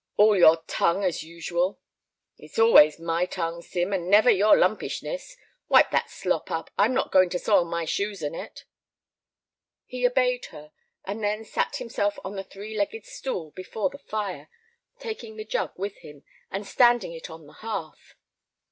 "All your tongue, as usual." "It's always my tongue, Sim, and never your lumpishness. Wipe that slop up; I'm not going to soil my shoes in it." He obeyed her, and then sat himself on the three legged stool before the fire, taking the jug with him, and standing it on the hearth.